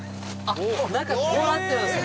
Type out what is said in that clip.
中こうなってるんですね